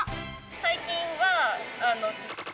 最近は。